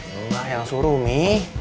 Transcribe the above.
ya allah yang suruh mi